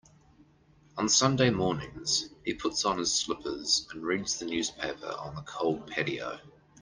On Sunday mornings, he puts on his slippers and reads the newspaper on the cold patio.